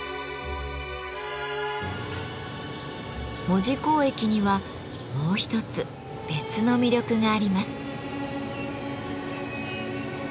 門司港駅にはもう一つ別の魅力があります。